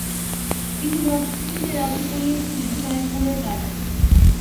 তিনি বক্সটি কিনতে রাজি করিয়েছিলেন কয়েক হাজার ডলারে।